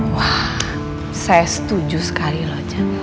wah saya setuju sekali loh